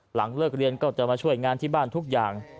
หลังเลิกเรียนก็จะมาช่วยงานที่บ้านทุกอย่าง